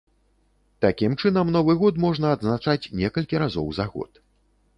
Такім чынам новы год можна адзначаць некалькі разоў за год.